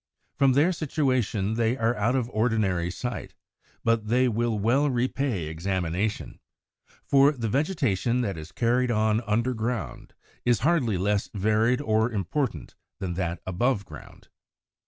From their situation they are out of ordinary sight; but they will well repay examination. For the vegetation that is carried on under ground is hardly less varied or important than that above ground.